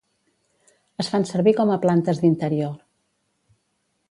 Es fan servir com a plantes d'interior.